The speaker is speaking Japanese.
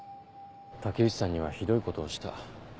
竹内さんにはひどいことをした。